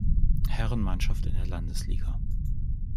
Herrenmannschaft in der Landesliga.